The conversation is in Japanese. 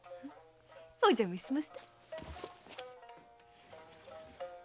お邪魔します。